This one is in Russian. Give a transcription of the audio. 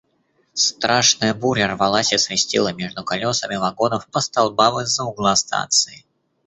Страшная буря рвалась и свистела между колесами вагонов по столбам из-за угла станции.